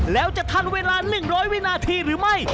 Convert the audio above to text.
แล้วจะทันเวลา๑๐๐วินาทีหรือไม่